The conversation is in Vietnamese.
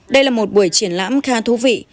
đây là một buổi triển lãm khá thú vị